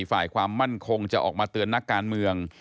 ฝ่ายความมั่นคงจะออกมาเตือนนักการเมือง